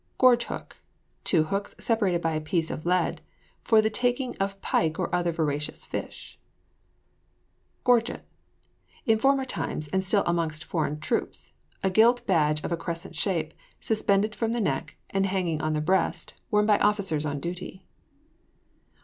GORGE HOOK. Two hooks separated by a piece of lead, for the taking of pike or other voracious fish. GORGET. In former times, and still amongst some foreign troops, a gilt badge of a crescent shape, suspended from the neck, and hanging on the breast, worn by officers on duty.